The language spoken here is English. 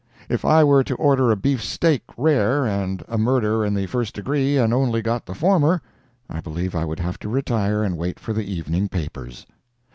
If I were to order a beef steak rare and a murder in the first degree, and only got the former, I believe I would have to retire and wait for the evening papers.